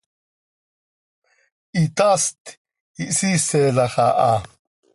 Hitaast ihsiiselax aha.